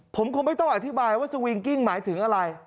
ผมคงไม่ต้องอธิบายว่าสวิงกิ้งหมายถึงอะไร